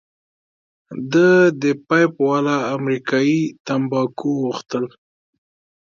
ده د پیپ والا امریکايي تمباکو غوښتل.